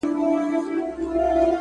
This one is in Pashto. څوک چي ونو سره شپې کوي!